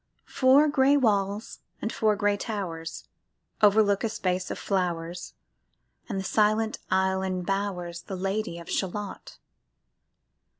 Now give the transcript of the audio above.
Four gray walls, and four gray towers, Overlook a space of flowers, And the silent isle embowers The Lady of Shalott.